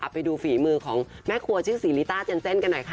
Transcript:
ไปดูฝีมือของแม่ครัวชื่อศรีลิต้าเจนเซ่นกันหน่อยค่ะ